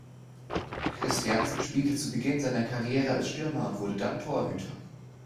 Christiansen spielte zu Beginn seiner Karriere als Stürmer und wurde dann Torhüter.